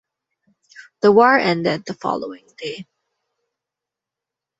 The war ended the following day.